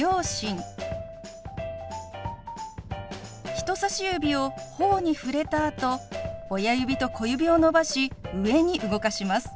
人さし指をほおに触れたあと親指と小指を伸ばし上に動かします。